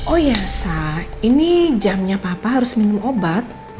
oh ya sah ini jamnya papa harus minum obat